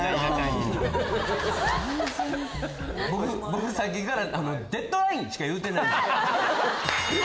僕さっきから「デッドライン」しか言うてない。